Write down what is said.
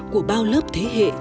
của bao lớp thế hệ cha ông